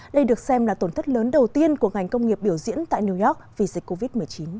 đây được xem là tổn thất lớn đầu tiên của ngành công nghiệp biểu diễn tại new york vì dịch covid một mươi chín